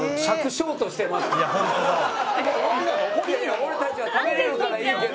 俺たちは食べられるからいいけど。